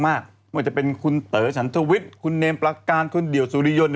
ไม่ว่าจะเป็นคุณเต๋อฉันทวิทย์คุณเนมประการคุณเดี่ยวสุริยนต์